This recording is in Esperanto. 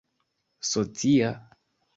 socia